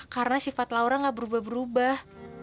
karena sifat laura gak berubah berubah